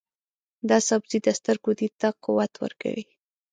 دا سبزی د سترګو دید ته قوت ورکوي.